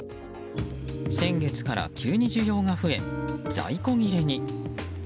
先月から急に需要が増え在庫切れに。